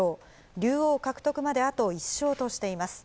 竜王獲得まであと１勝としています。